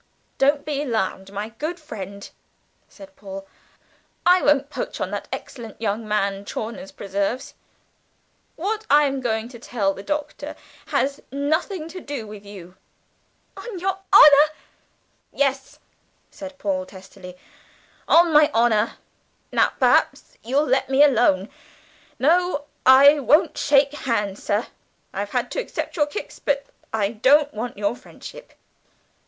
"Don't be alarmed, my good friend," said Paul; "I won't poach on that excellent young man Chawner's preserves. What I am going to tell the Doctor has nothing to do with you." "On your honour?" said Biddlecomb eagerly. "Yes," said Paul testily, "on my honour. Now, perhaps, you'll let me alone. No, I won't shake hands, sir. I've had to accept your kicks, but I don't want your friendship."